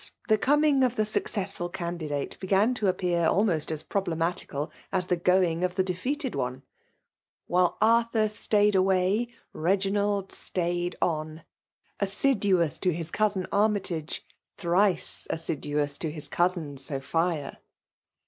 the coming: of the successful candi* dftte began to appear almost as problematical as the going of the defeated one; while Arthur stayed away, Beginald stayed on; assiduous to his cousin Armytage; thrice assiduous to his cousin Sophia !